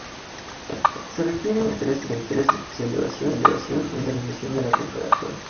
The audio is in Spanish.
Se requiere un mínimo de tres sesiones de elevación y disminución de la temperatura.